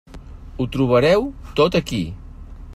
Ho trobareu tot aquí.